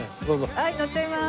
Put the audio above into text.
はい乗っちゃいます。